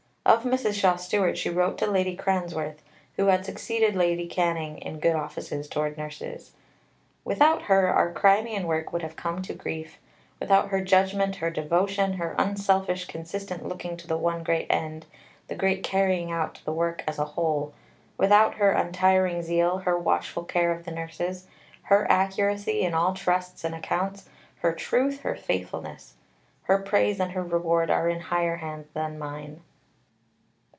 Of Mrs. Shaw Stewart, she wrote to Lady Cranworth (who had succeeded Lady Canning in good offices towards the nurses): "Without her our Crimean work would have come to grief without her judgment, her devotion, her unselfish, consistent looking to the one great end, viz. the carrying out the work as a whole without her untiring zeal, her watchful care of the nurses, her accuracy in all trusts and accounts, her truth, her faithfulness. Her praise and her reward are in higher hands than mine."